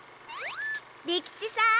利吉さん。